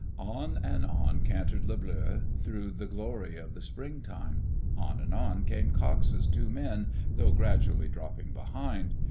On and on cantered Le Bleu through the glory of the springtime. On and on came Cox's two men, though grad ually dropping behind.